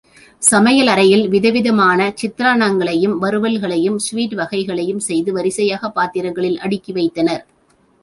சமையல் அறையில் விதம் விதமான சித்ரான்னங்களையும், வறுவல்களையும், சுவீட் வகைகளையும் செய்து வரிசையாக பாத்திரங்களில் அடுக்கி வைத்தனர்.